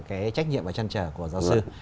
cái trách nhiệm và chăn trở của giáo sư